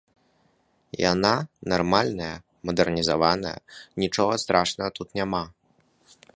Яна нармальная, мадэрнізаваная, нічога тут страшнага няма.